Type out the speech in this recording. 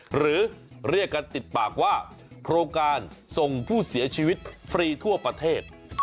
หรือเรียกกันติดปากว่าโครงการส่งผู้เสียชีวิตฟรีทั่วประเทศ